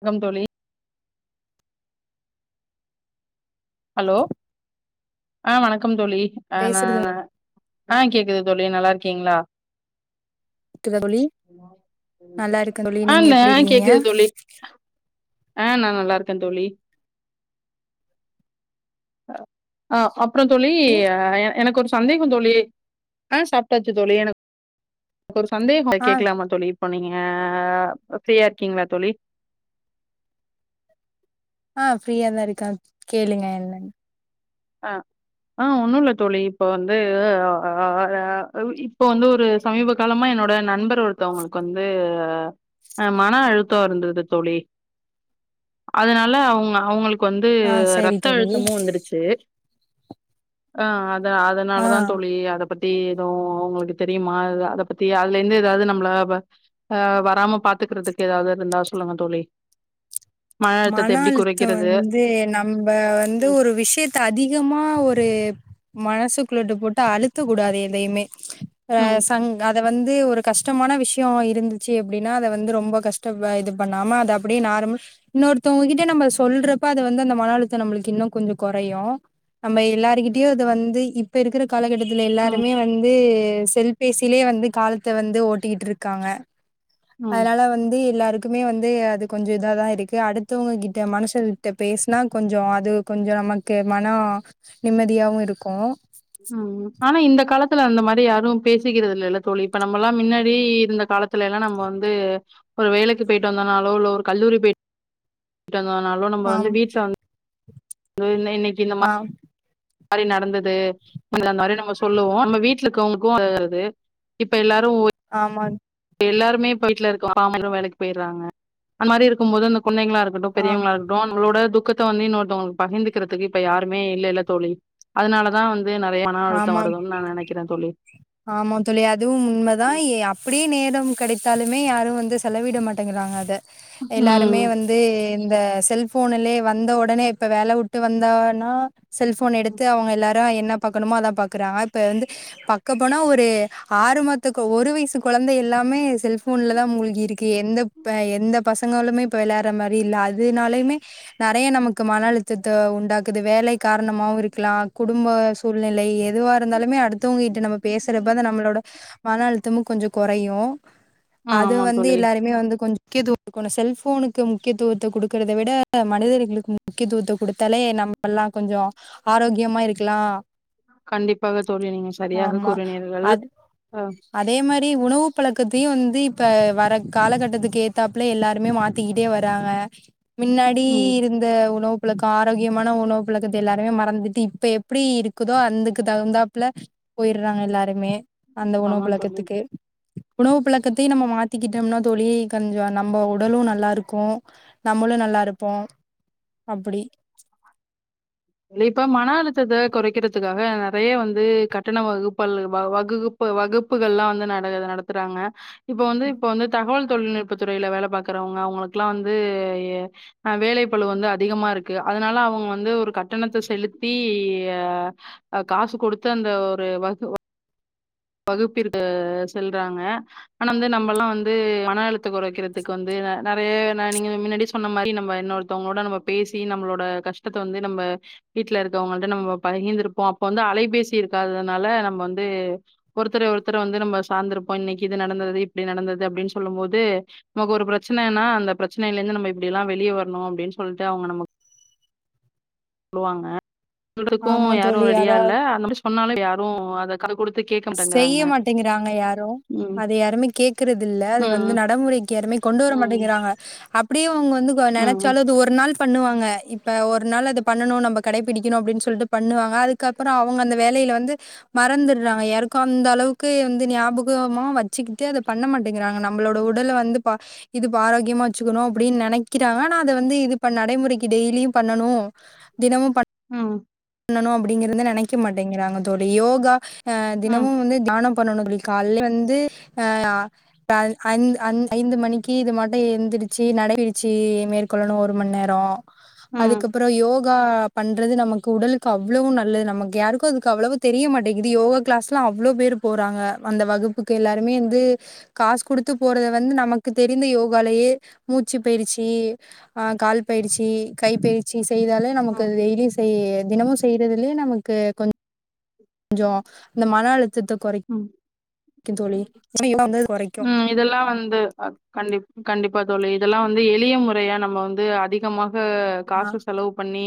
வணக்கம் தோழி ஹலோ ஆ வணக்கம் தோழி ஆ நா பேசுறது நா ஆ கேக்குது தோழி நல்லா இருக்கீங்களா கேக்குதா தோழி ஹலோ கேக்கு நல்லா இருக்கே தாங்க தோழி ஆ நீங்க நல்லா எப்டி இருக்கீங்க கேக்குதுங்க தோழி ஆ நா நல்லா இருக்கே தோழி ஆ ஆ அப் அப்புறே தோழி ஆ எ எனக்கு ஒரு சந்தேக தோழி ஆ சாப்பிட்டாச்சு தோழி எனக் ஒரு சந்தேக அத ஆ கேக்கலாமா தோழி இப்போ நீங்க ஆ ஃப்ரீயா இருக்கீங்களா தோழி ஆ ஃப்ரீயா தா இருக்கே கேளுங்க என்னன்னு ஆ ஆ ஒண்ணு இல்ல தோழி இப்ப வந்து ஆ ஆ ஆ ஆ ஆ ஆ இப்போ வந்து ஒரு சமீப காலமா என்னோட நண்பர் ஒருத்தவங்களுக்கு வந்து ஆ மன அழுத்தே இருந்தது தோழி அதனால அவுங்க அவுங்களுக் கு வந்து ஆ சரி ரத்த தோழி அழுத்தமு வந்துடுச்சு ஆ அத அதனால தா ஆ தோழி அத பத்தி ஏதவு அவுங்களுக்கு தெரியுமா அத‌ அதை பத்தி அதுல இருந்து ஏதாவது நம்மள ஆ வராம பாத்துக்கறதுக்கு ஏதாவது இருந்தா சொல்லுங்க தோழி மன அழுத்தத்த எப்புடி அழுத்தம் குறைக்கிறது வந்து நம்ப வந்து ம் ஒரு விஷயத்த அதிகமா ஒரு மனசுக்குள்ள அப்டி போட்டு அழுத்த கூடாது எதையுமே ஆ ம் சங் அத வந்து ஒரு கஷ்டமான விஷயே இருந்துச்சு அப்புடின்னா அத வந்து ரொம்ப கஷ்ட இது பண்ணாம அத அப்புடி நார்மல் இன்னொருத்தவங்க கிட்டே நம்ம சொல்றப்ப அது வந்து அந்த மன அழுத்த நம்மளுக்கு இன்னு கொஞ்ச குறையு நம்ம எல்லாருகிட்டயு அது வந்து இப்ப இருக்கிற காலகட்டத்துல எல்லாருமே வந்து செல் பேசிலயே வந்து காலத்தை வந்து ஓட்டிக்கிட்டு இருக்காங்க ம் அதனால வந்து எல்லாருக் எனக்குமே வந்து அது கொஞ்ச இத தா இருக் அடுத்தவங்க கிட்ட மனசு விட்டு பேசுன கொஞ்ச அது கொஞ்ச நமக்கு மனே நிம்மதியாவு இருக்கு ம் ம் ஆனா இந்த காலத்துல அந்த மாறி யாரும் பேசிக்கிறது இல்லால தோழி இப்ப நம்ம எல்லா முன்னாடி இரு காலத் துல நம்ம வந்து ஒரு வேலைக்கு போயிட்டு வந்தோனாலோ இல்ல ஒரு கல்லூரி போய் ட்டு வந்தோனாலு நம்ப வந்து ஆம் வீட்டுல வந் இன்னைக்கு ஆ மாறி நடந்தது அந்த மாறி நம்ப சொல்லுவோ நம்ப வீட்டுல இருக்குவங்களுக்கு அது இப்ப எல்லாரு ஓய் ஆமாங் எல்லாருமே இப்போ வீட்லஇருக்கோ அப்பா அம்மா எல்லாரு வேலைக்கு போய்டுறாங்க அந்த மாரி இருக்கும் போது அந்த குந்தைங்களா இரு க்கட்டு ஆம் பெரியவங்கள இருக்கட்டு அவுங்களோட துக்கத் தோனே இன்னொருத்தவுங்களுக்கு பகிர்ந்துக்கிறதுக்கு இப்ப யாருமே இல்லல்ல தோழி அதனால தா வந் து நறைய மன அழுத்தோ ஆமா வருதோன் நா நனைக்கிற தோழி ஆமா தோழி அதுவு உண்மதா அப்படியே நேரம் கிடைத்தாலுமே யாரு வந்து செலவிட மாட்டேங்கிறாங்க அத எல்லாருமே ம் வந் து இந்த செல்ஃபோன்லுலே வந்த ஒடனே இப்ப வேல உட்டு வந்தானா செல்ஃபோன் எடுத்து அவுங்க எல்லாரு என்ன பாக்கணுமோ அதா பாக்குறாங்க இப்ப வந்து பக்க போனா ஒரு ஆறு மத்தக ஒரு வயசு குழந்தை எல்லாமே செல்ஃபோன்ல தா மூழ்கி இருக் எந்த ப எந்த பசங்களுமே இப்ப வெளையாடுற மாரி இல்ல அதுனாலயுமே நறைய நமக்கு மன அழுத்தத்த உண்டாக்குது வேலை காரணமாவு இருக்கலா குடும்ப சூழ்நிலை எதுவா இருந்தாலுமே அடுத்தவுங்ககிட்ட நம்ம பேசறப்பது நம்மளோட மன அழுத்தமு கொஞ்சோ குறையு அது ஆமா வந்து தோழி எல்லாருமே வந்து கொஞ்ச கேது செல்ஃபோனுக்கு முக்கியத்துவத்த குடுக்கறத விட மனிதர்களுக்கு முக்கியத்துவத்த குடுத்தாலே நம் மல்லா கொஞ்சோ ஆரோக்கியமா இருக்கலா கண்டிப்பாக தோழி நீங்க சரியாக ஆமா கூறினீர்கள் அது அ அதே மாரி உணவு பழக்கத்தையு வந்து இப்ப வர காலகட்டத்துக்கு ஏத்தாப்புல எல்லாருமே மாத் திக்கிட்டே வராங்க மின்னாடி ம் இருந் த உணவு பழக்க ஆரோக்கியமான உணவு பழக்கத்த எல்லாருமே மறந்துட்டு இப்ப எப்படி இருக் குதோ அந்தக்கு தகுந்தாப்புல போயிடுறாங்க எல்லாருமே அந்த உணவு ஆமா தோழி பழக்கத்துக்கு உணவு பழக்கத்தையு நம்ம மாத்திக்கிட்டம்னா தோழி கொஞ்சோ நம்ப உடலு நல்லா இருக்கு நம்மளு நல்லா இருப்போ அப்படி இல்ல இப்ப மன அழுத்தத்த கொறைக்கிறதுக்காக நறைய வந்து கட்டண வகுப்பல் வவகுகு ப்பு வகுப்புகள்லா வந்து நட் நடத்துறாங்க இப்ப வந்து இப்ப வந்து தகவல் தொழில்நுட்ப துறையில வேல பாக்குறவுங்க அவுங்களுக்குல்லா வந்து அ வேலை பலு வந்து அதிகமா இருக்கு அதனால அவுங்க வந்து ஒரு கட் கட்டணத்த செலுத்தி அ காசு கொடுத்து அந்த ஒரு வகு வ வகுப்பிற் செல்றாங்க ஆனா வந்து நம்மல்லா வந்து மன அழுத் த கொறைக்கிறதுக்கு வந்து ந ந நிறைய ந நீங்க மின்னாடியே சொன்ன மாரி நம்ம இன்னு ஒருத்தவுங்கோட நம்ம பேசி நம்மளோட கஷ்டத்த வந்து நம்ப வீட்ல இருக்கவுங்கள்ட்ட நம்ம பகிர்ந்திருப்போ அப்ப வந்து அலைபேசி இருக்காதனால நம்ம வந்து ஒருத்தர ஒருத்தர வந்து நம்ம சார்ந்திருப்போ இன்னைக்கு இது நடந்தது இப்படி நடந்தது அப்படின்னு சொல்லும் போது நமக்கு ஒரு பிரச்சனைன்னா அந்த பிரச்சனைையில இருந்து நம்ம இப்டி எல்லா வெளிய வரணு அப்டின்னு சொல்ட்டு அவுங்க நமக் சொல்லுவாங்க சொல்றக்கும் ஆமா யாரு தோழி ரெடியா அதாவது இல்ல அந்த மாரி சொன்னாலு யாரு அத காது கொடுத்து கே செய்ய மாட்டேங்கிறாங்க யாரு ம். அத யாருமே கேக்கறது இல்ல அத வந்து ம். நடைமுறைக்கு யாருமே கொண்டு வர ம். மாட்டேங்கிறாங்க அப் அப்படியே அவுங்க வந்து ம். நனைச்சால அது ஒ ஒரு நாள் பண்ணுவாங்க இப்ப ஒரு நாள் அத பண்ணணும் நம்ம கடைபிடிக்கணும் அப்டின்னு சொல்ட்டு பண்ணுவாங்க அதுக் க்கப்புறோ அவுங்க அந்த வேலையில வந்து மறந்துடுறாங்க யாருக்கு அந்த அளவுக்கு வந்து ஞாபகமா வச் சிக்ட்டே அத பண்ண மாட்டேங்கிறாங்க நம்பளோட உடல வந்து பா இதுப்ப ஆரோக்கியமா வச்சுக்கணு அப்டின்னு நனைக்கிறாங்க ஆனா அத வந்து இதுப்ப நடைமுறைக்கு டெய்லியும் பண்ணணு தினமும் பண் ம் பண்ணணு அப்டிங்கறத நெனைக்க மாட்டேங்கிறாங்க தோழி யோகா அ ம். தினமு வந்து தியானம் பண்ணணு தோழி கால்ல வந்து அ ஆ ஐ ஐந் ஐந்து மணிக்கி இது மட்டு எழுந்தருச்சு நடைபடிச்சு மேற்கொள்ளணு ஒரு மணி நேரோ ம். அதுக்கப்புறோ யோகா பண்றது நமக்கு க்கு உடலுக்கு அவ்ளோ நல்லது நமக்கு யாருக்கு அது அவ்ளோ தெரிய மாட்டேங்கிது யோகா கிளஸ்லா அவ்ளோ பேரு போறாங்க அந்த வகுப்புக்கு எல்லாருமே வந்து காசு குடுத்து போறத வந்து நமக்கு தெரிந்த யோகாலேயே மூச்சு போயிருச்சு ஆ கால் பயிற்சி கைப்பயிற்சி செய்தாலே நமக்கு ம். அது டெய்லி செய் தினமும் செய்யறதுலயே நமக்கு கொஞ் சோ அந்த மன அழுத்தத்த கொறைக்கு ம் க்கு தோழி [inaudible] ம் இதெல்லா வந்து அ கண்டிப் கண்டிப்பா தோழி இதெல்லா வந்து எளிய முறையா நம்ம வந்து அதிகமாக ஆ காசு செலவு பண்ணி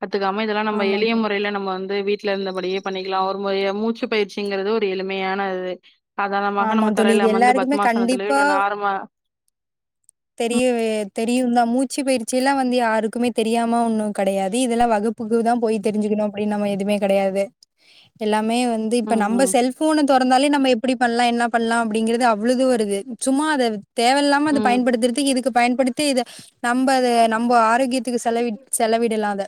கத்துக்காம இதெல்லா நம்ம ஆமா எளிய தோழி முறையில நம்ம வந்து வீட் வீட்லருந்தபடியே பண்ணிக்கலா ஒரு மு ய மூச்சு பயிற்சிங்கறது ஒரு எளிமையான அது சாதாரணமாக ஆமா நம்ம தோழி தரையில இது அமந்து எல்லாருக்குமே பத்மாசனத்துலயோ கண்டிப்பா இல்வ நார்மா தெரியவே தெரியு தா மூச்சு பயிற்சியெல்லா வந்து யாருக்குமே தெரியாம ஒன்னு கடையாது இதெல்லா வகுப் குப்புக்கு தா போய் தெரிஞ்சுக்கிணு அப்படின்னு நம்ம எதுமே கெடையாது எல்லாமே வந்து இப்ப ம், நம்ம ம், செல்ப் ஃபோன தொறந்தாலே நம்ம எப்பிடி பண்ணலா என்ன பண்ணலா அப்படிங்கிறது அவ்ளோது வருது சும்மா அத தேவல்லா ம். பயன்படுத்துறதுக்கு இதுக்கு பயன்படுத்தி இத நம்ம அத நம்ம ஆரோக்கியத்துக்கு செலவி செலவிடலாத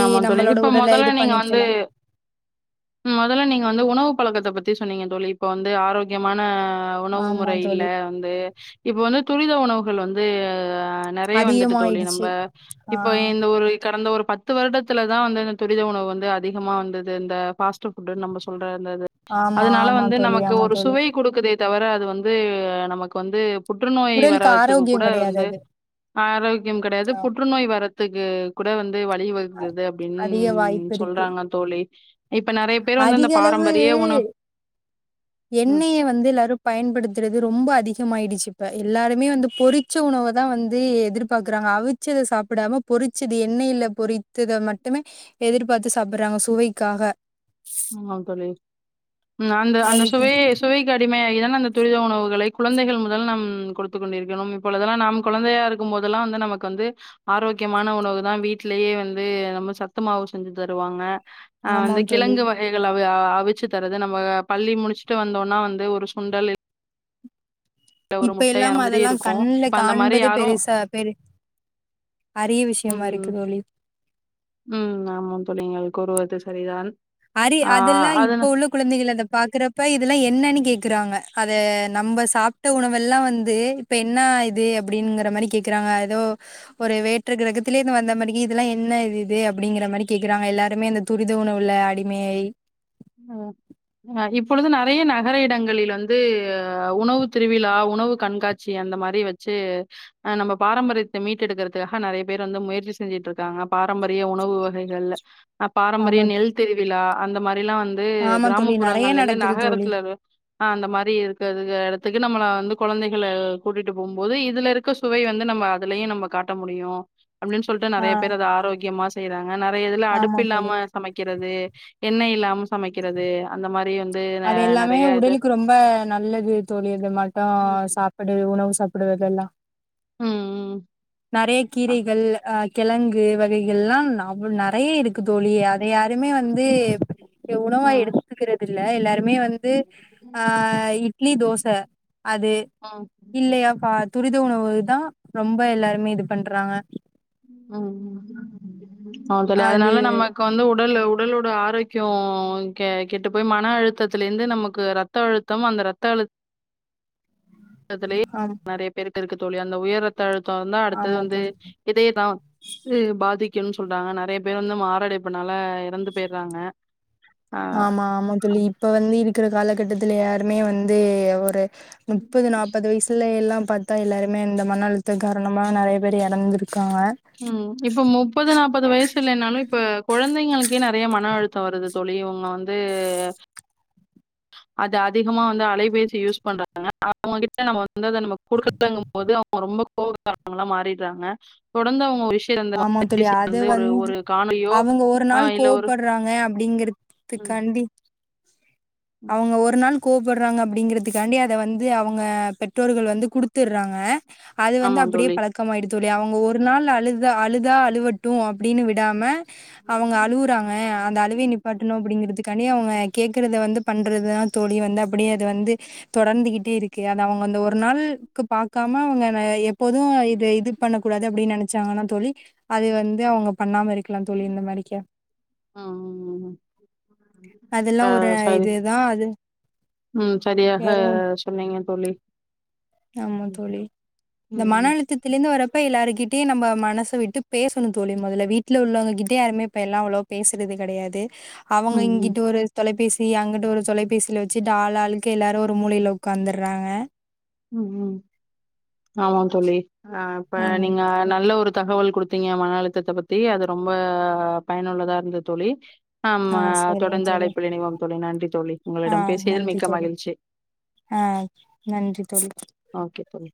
ஆமா தோழி இப்ப மொதல்ல நீங்க வந்து மொதல்ல நீங்க வந்து உணவு பழக்கத்த பத்தி சொன்னீங்க தோழி இப்ப வந்து ஆரோக்கியமான உணவு ஆமா மொறை இல்ல தோழி வந்து இப்ப வந்து துரித உணவுகள் வந்து நறைய வந்துட்டு தோழி நம்ப அதிகமாயிடுச்சு இப்ப ஆ இந்த ஒரு கடந்த ஒரு பத்து பத்து வருடத்துல தா வந்து இந்த துரித உணவு வந்து அதிகமா வந்தது இந்த ஃபாஸ்ட் புட்ன்னு நம்ம சொல்ற அந்தது ஆமா அதுனால ஆமா வந்து தோழி நமக்கு ஆமா ஒரு தோழி சுவை குடுக்குதே தவிர அது வந்து நமக்கு வந்து புற்றுநோய் உடலுக்கு வரவதுக்கு கூட ஆரோக்கியம் கெடையாது வந்து அது ஆரோக்கியம் கெடையாது ஆ புற்றுநோய் வர த்துக்கு கூட வந்து வழி வகுக்குது அப்படின்னு அதிக வாய்ப்பு இருக்கு சொல்றாங்க தோழி இப்ப நறைய பேர் வந்து அந்த அதிக அளவு பாரம்பரிய உணவு ம். எண்ணெய வந்து எல்லாரு பயன்படுத்துறது ரொம்ப அதிகமயிடுச்சு இப்ப எல்லாருமே வந்து பொரி ச்ச உணவ தா வந்து எதிர்பாக்குறாங்க அவிச்சதை சாப்பிடாம பொரிச்சது எண்ணெயில பொறித்ததை மட்டுமே எதிர்பாத்து சாப்பிட்றாங்க சுவைக்காக ஆமா தோழி ம் அந்த அந்த அதுக்கு சுவைய சுவைக் கு அடிமையாகி தான அந்த துரித உணவுகளை குழந்தைகள் முதல் நம் குடுத்துக் கொண்டிருக்கிறோம் இப்பொழுதல்லாம் நாம் குழந்தையாருக் கும் போதெல்லா வந்து நமக்கு வந்து ஆரோக்கியமான உணவு தா வீட்லயே வந்து நம்ம சத்து மாவு செஞ்சு தருவாங்க ஆ வந்து ஆமாம் தோழி கிழங்கு வகை களை அவ அவிச்சு தரது நம்ம பள்ளி முடிச்சுட்டு வந்தோன்னா வந்து ஒரு சுண்டல் இல் இப்பயெல்லாம் அந்த மாதிரி அதெல்லா இருக்கும். கண்ல இப்ப அந்த மாரி காண்பதே யாரும் பெருசா பெரு அரிய விஷயமா இருக்கு ம். தோழி ம் ஆமா தோழி நீங்கள் கூறுவது சரிதா அரி அதெல்லா இப்ப உள்ள குழந்தைகள் அத பாக்குறப்ப இதெல்லா என்னன்னு கேக்குறாங்க அத நம்ம சாப்ட உணவெல்லா வந்து இப்ப என்ன இது அப்படிங்கிற மாதிரி கேக்குறாங்க எதோ ஒரு வேற்று கிரகத்திலேயிருந்து வந்த மாரியே இதெல்லா என்ன இது அப்படிங்கிற மாரி கேக்கறாங்க எல்லாருமே அந்த துரித உணவுல அடிக் மே ஐ ம் அ இப்பொழுது நறைய நகர இடங்களில் வந்து உணவு திருவிழா உணவு கண்காட் சி அந்த மாரி வச்சு அ நம்ம பாரம்பரியத்த மீட்டெடுக்கறதுக்காக நறைய பேர் வந்து முயற்சி செஞ்சுட்டு இருக்காங்க பாரம்பரிய உணவு வகைகள்ல அ பாரம்பரிய ஆமா நெல் திருவிழா அந்த மாரில்லா வந்து வந்து ஆமா தோழி நெறைய கிராமப்புறங்கள்லந்து நடக்குது தோழி. நகரத்துல அ அந்த மாரி இருக்கதுக்கு எடத்துக்கு நம்மள வந்து கொழந்தைகள கூட்டிட்டு போம்போது இதுல இருக் க்க சுவை வந்து நம்ம அதுலயும் நம்ம காட்ட முடியும் அப்டின்னு சொல்லிட்டு ஆ நறைய பேர் அத ஆரோக்கியமா செய்றாங்க நறைய இதுல ஆமா அடுப்பு இல்லாம தோழி. சமைக்கறது எண்ண இல்லாம சமைக்கறது அந்த மாரி வந்து நெ அது எல்லாமே நெறைய இது உடலுக்கு ரொம்ப நல்லது தோழி அதுமட்டம் ம் சாப் டு உணவு சாப்படுவதல்லாம் நறைய ம். கீரைகள் அ கெழங்கு வகைகள்லா ந அவள் நற ய ம். இருக்கு தோழி அத யாருமே வந்து உணவா ம். எடுத்துக்கறது இல்ல எல்லாருமே வந்து து ஆ இட்லி தோச அது இல்லையா பா துரித உணவுகள் தா ரொம்ப எல்லாருமே இது பண்றாங்க ம் ஆ தோழி அது அதனால நம்ம வந்து உடல்ல உடலோட ஆரோக்கியம் கெ கெட்டு போய் மன அழுத்தத்துலருந்து நமக்கு ர த்த அழுத்தம் அந்த ரத்த அழு த்ததுலயே ஆம் நறய பேருக்கு இருக்கு தோழி அந்த உயரத்த ழுத்தோ இருந்தா அடுத்தது ஆமா வந்து தோழி இதேதா க்கு பாதிக்குனு சொல்றாங்க நறைய பேர் வந்து மாரடைப்புனால இறந்து போயிறாங்க ஆமா ஆமா தோழி இப்ப வந்து இருக்கிற காலகட்டத்துல யாருமே வந்து ஒரு முப்பது நாப்பது வயிஸ் புள்ளைகள்ளா பாத்தா எல்லாருமே இந்த மன அழுந்தம் காரணமா நறய பேர் எறந்துருக்காங்க ம் இப்ப முப்பது நாப்பது வயசு இல்லனாலும் இப்ப கொழந்தைங்களுக்கே நறைய மன அழுத்தோ வருது தோழி இவங்க வந்து அது அதிகமா வந்து அலைபேசி யூஸ் பண்றாங்க ஆ அவங்ககிட்ட நம்ம வந்து அத நம்ம குடுக்கலங்கு போது ரொம்ப கோவக்காரங்களா மாறிட்றாங்க தொடர்ந்து அவங்க விஷ் அந்த ஆமா தோழி அது வ ஒரு வந்து ஒரு காணோளியோ அவங்க ஒரு ஆ நாள் இல்ல ஒரு கோவப்படுறாங்க ம் அப்படிங்கறதுக்காண்டி ம் அவங்க ஒரு நாள் கோவ்படுறாங்க அப்டிங்கறதுக்காண்டி அத வந்து அவங்க பெற்றோர்கள் வந்து குடுத் துறாங்க அது வந்து ஆமா அப்டியே தோழி பழக்கமாய்டு தோழி அவங்க ஒரு நாள் அழுது அழுதா அழுவட்டும் அப்டின்னு விடாம அவங்க அழுவுறாங்க அந்த அழுவை நிப் பட்டணும் அப்டிங்கறது காண்டி அவங்க கேக்கறத வந்து பண்றது தா தோழி வந்து அப்டி அது வந்து தொடர்ந்துகிட்டே இருக்கு அத அவங்க வந்த ஒரு நாள்கு பக்காம அவங்க எப்போதும் இது இது பண்ணக்கூடாது அப்டின்னு நெனச்சாங்கன்னா தோழி அது வந்து அவங்க பண்ணாம இருக் கிலாம் தோழி இந்த மாரிக்க ம் ம் ம் அதெல்லா ஆ ஒரு சரி இதுதா அது ம் சரியாக யாரும் சொன்னீங்க தோழி ஆமா ம் தோழி இந்த மன ம் அழுத்தத்தலந்து வரப்ப எல்லாருக்கிட்டயு நம்ம மன சு விட்டு பேசணும் தோழி மொதல வீட்ல உள்ளவங்க கிட்டே யாருமே இப்ப எல்லா அவ்ளோ பேசுறது கடையாது அவங்க ம் இங்கிட்டு ஒரு தொலைபேசி அங்கட்டு ஒரு தொலைபேசில வச்சுட்டு ஆள் ஆளுக்கு எல்லாரு ஒரு மூலைல உக்காந்துறாங்க ம் ம் ஆமா தோழி ஆ இப்ப ஆமா நீங்க நல்ல ஒரு தகவல் குடுத்தீங்க மன அழுத்தத்த பத்தி அது ரொம்ப பயனுள்ளதா இருந்து தோழி ஆ ஆமா சரிங்க தொடர்ந்து தோழி அழைப்புல இணைவோம் தோழி நன்றி தோழி ஆ உங்களிடம் பேசியதில் நன்றி மிக்க தோழி மகிழ்ச்சி ஆ நன்றி தோழி ஓகே தோழி